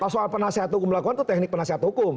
soal penasihat hukum melakukan itu teknik penasihat hukum